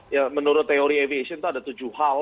ya menurut teori aviation itu ada tujuh hal